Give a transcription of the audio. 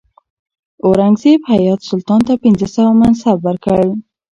اورنګزیب حیات سلطان ته پنځه سوه منصب ورکړ.